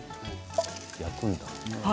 焼くんだ。